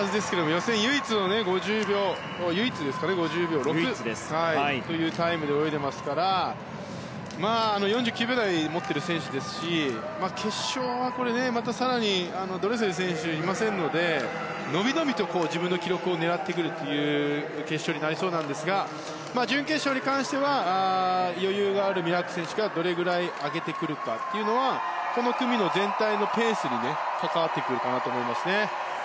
予選唯一の５０秒６というタイムで泳いでいますから４９秒台を持っている選手ですし決勝は、また更にドレセル選手がいませんのでのびのびと自分の記録を狙ってくるという決勝になりそうなんですが準決勝に関しては余裕があるミラーク選手がどれぐらい上げてくるかがこの組の全体のペースに関わってくるかなと思います。